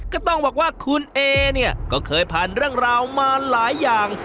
ก็ต้องบอกว่าคุณเอเนี่ยก็เคยผ่านเรื่องราวมาหลายอย่าง